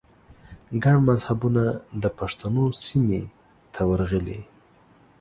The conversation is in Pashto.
ګڼ مذهبونه د پښتنو سیمې ته ورغلي